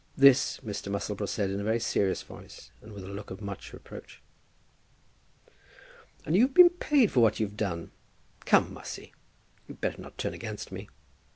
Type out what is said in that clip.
This Mr. Musselboro said in a very serious voice, and with a look of much reproach. "And you've been paid for what you've done. Come, Mussy, you'd better not turn against me.